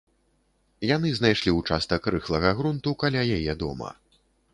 Яны знайшлі ўчастак рыхлага грунту каля яе дома.